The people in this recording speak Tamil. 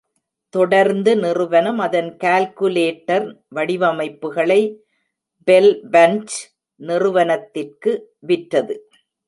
தொடர்ந்து நிறுவனம் அதன் கால்குலேட்டர் வடிவமைப்புகளை பெல் பன்ச் நிறுவனத்திற்கு விற்றது.